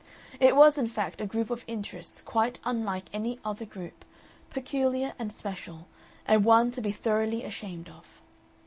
It was, in fact, a group of interests quite unlike any other group, peculiar and special, and one to be thoroughly ashamed of.